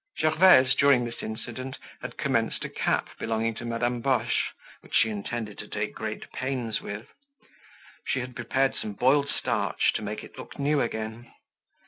Gervaise, during this incident, had commenced a cap belonging to Madame Boche, which she intended to take great pains with. She had prepared some boiled starch to make it look new again.